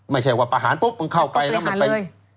ไม่ใช่ว่าประหารปุ๊บมันเข้าไปแล้วมันไป